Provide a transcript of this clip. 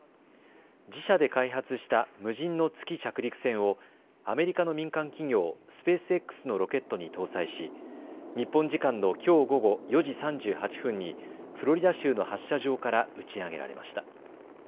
自社で開発した無人の月着陸船をアメリカの民間企業、スペースＸのロケットに搭載し日本時間のきょう午後４時３８分にフロリダ州の発射場から打ち上げられました。